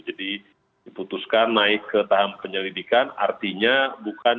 jadi diputuskan naik ke tahap penyelidikan artinya bukan